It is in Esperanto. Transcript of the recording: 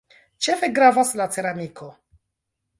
Ĉefe gravas la ceramiko.